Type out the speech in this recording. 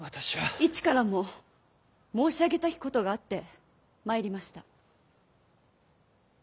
市からも申し上げたきことがあって参りました。